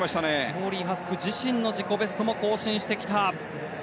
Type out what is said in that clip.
トーリー・ハスク自身の自己ベストも更新してきた。